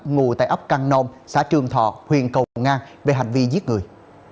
ngồi tại ấp căng nôm xã trương thọ huyện cầu ngang về hành vi giết người